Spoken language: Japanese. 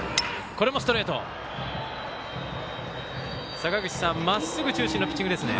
坂口さん、まっすぐ中心のピッチングですね。